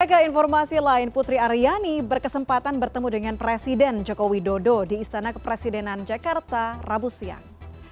sebagai informasi lain putri aryani berkesempatan bertemu dengan presiden jokowi dodo di istana kepresidenan jakarta rabu siang